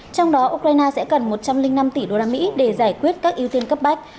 trong đó ukraine sẽ cần một trăm linh năm tỷ usd để giải quyết các ưu tiên cấp bách